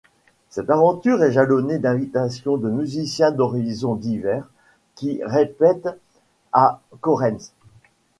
Cette aventure est jalonnée d'invitations de musiciens d’horizons divers qui répètent à Correns.